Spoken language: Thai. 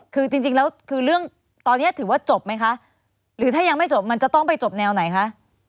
คือจริงแล้วคือเรื่องตอนนี้ถือว่าจบไหมคะหรือถ้ายังไม่จบมันจะต้องไปจบแนวไหนคะ